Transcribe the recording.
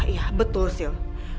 iya betul sil